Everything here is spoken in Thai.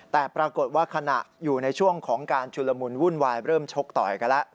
แต่ปรากฏว่าขณะอยู่ในช่วงของการชุลมุนวุ่นวายเริ่มชกต่อยกันแล้ว